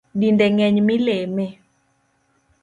Dinde ngeny mileme